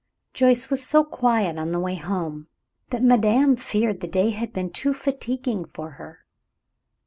Joyce was so quiet on the way home that madame feared the day had been too fatiguing for her.